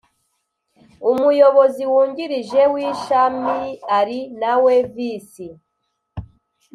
Umuyobozi wungirije w Ishamiari nawe Visi